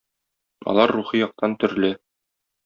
Алар рухи яктан төрле.